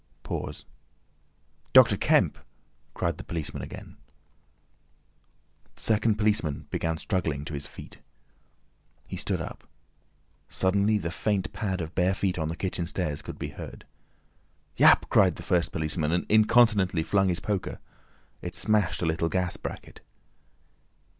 Pause. "Doctor Kemp," cried the policeman again. The second policeman began struggling to his feet. He stood up. Suddenly the faint pad of bare feet on the kitchen stairs could be heard. "Yap!" cried the first policeman, and incontinently flung his poker. It smashed a little gas bracket.